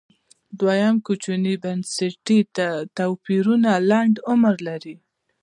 دویم کوچني بنسټي توپیرونه لنډ عمر لري